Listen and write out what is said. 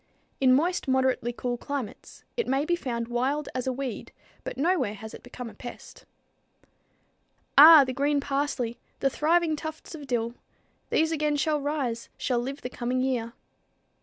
In moist, moderately cool climates, it may be found wild as a weed, but nowhere has it become a pest. "Ah! the green parsley, the thriving tufts of dill; These again shall rise, shall live the coming year."